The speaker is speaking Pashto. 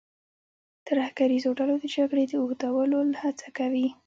ترهګریزو ډلو د جګړې د اوږدولو هڅه کوي.